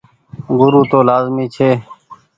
گورو تو لآزمي ڇي۔